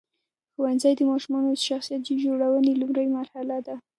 ښوونځی د ماشومانو د شخصیت جوړونې لومړۍ مرحله ده.